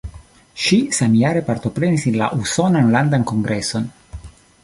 Ŝi samjare partoprenis la usonan landan kongreson.